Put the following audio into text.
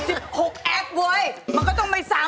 อ้าว๑๖แอปเว้ยมันก็ต้องไป๓๐